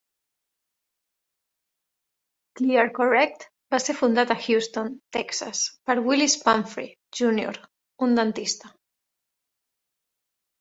ClearCorrect va ser fundat a Houston, Texas, per Willis Pumphrey, Junior, un dentista.